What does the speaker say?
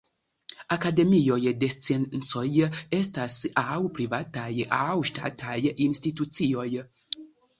Akademioj de Sciencoj estas aŭ privataj aŭ ŝtataj institucioj.